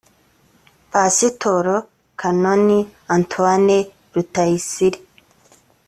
pasitori canon antoine rutayisire